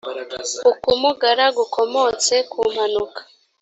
ukumugara gukomotse ku mpanuka